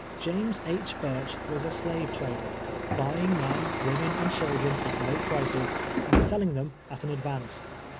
James II. Burch was a shu'e trader — buying* men, ■women and children at low prices, and selling them at an advance.